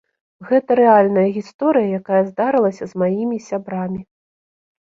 Гэта рэальная гісторыя, якая здарылася з маімі сябрамі.